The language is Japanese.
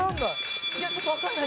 ちょっとわかんない。